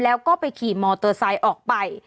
แล้วก็ไปขี่มอเตอร์ไซค์ออกไป